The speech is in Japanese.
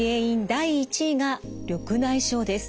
第１位が緑内障です。